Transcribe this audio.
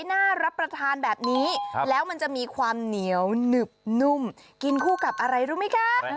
น่ารับประทานแบบนี้แล้วมันจะมีความเหนียวหนึบนุ่มกินคู่กับอะไรรู้ไหมคะ